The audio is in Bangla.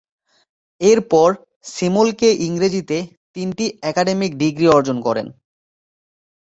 এরপর সিমোলকে ইংরেজিতে তিনটি একাডেমিক ডিগ্রি অর্জন করেন।